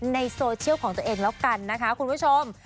ในโซเชียลของตัวเองแล้วกันนะคะคุณผู้ชม